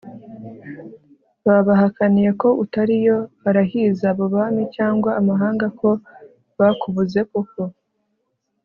Babahakaniye ko utariyo arahiza abo bami cyangwa amahanga ko bakubuze koko